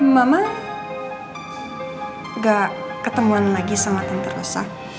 mama gak ketemuan lagi sama tante resah